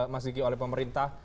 mas diki oleh pemerintah